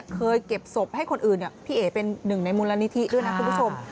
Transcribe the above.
เก็บศพให้คนอื่นพี่เอ๋เป็นหนึ่งในมูลนิธิด้วยนะคุณผู้ชม